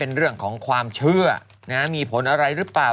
เรื่องของความเชื่อมีผลอะไรหรือเปล่า